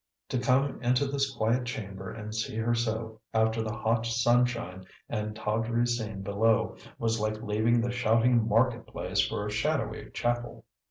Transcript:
To come into this quiet chamber and see her so, after the hot sunshine and tawdry scene below, was like leaving the shouting market place for a shadowy chapel.